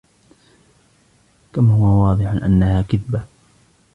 كم هو واضح أنها كذبة!